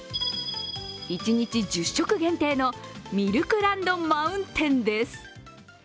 １日１０食限定のミルクランドマウンテンです。